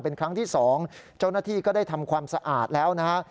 เป็นครั้งที่๒เจ้าหน้าที่ก็ได้ทำความสะอาดแล้วนะฮะ